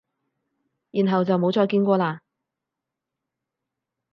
然後就冇再見過喇？